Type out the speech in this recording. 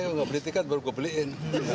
saya nggak beli tiket baru gue beliin